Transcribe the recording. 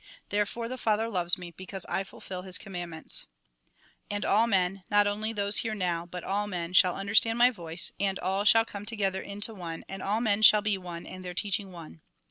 There fore the Father loves me, because I fulfil His com mandments. " And all men, not only those here now, but all men, shall understand my voice ; and all sliall come together into one, and all men shall be one, and their teaching one."